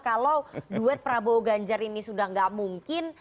kalau duet prabowo ganjar ini sudah tidak mungkin